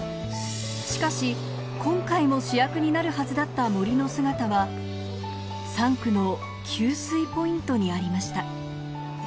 しかし今回の主役になるはずだった森の姿は３区の給水ポイントにありました。